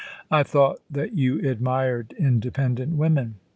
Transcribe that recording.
I thought that you admired independent women.